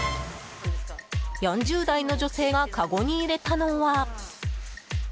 ４０代の女性がかごに入れたのは。